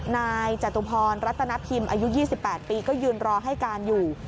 นายจตุพรรัตนพิมพ์อายุ๒๘ปีก็ยืนรอให้การอยู่